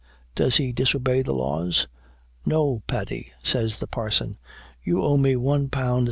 Does he disobey the laws? No. 'Paddy,' says the parson, 'you owe me £l 17s.